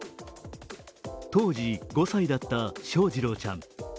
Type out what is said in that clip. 当時５歳だった翔士郎ちゃん。